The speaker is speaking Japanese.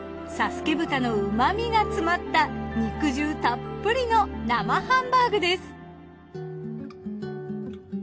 佐助豚の旨みが詰まった肉汁たっぷりの生ハンバーグです。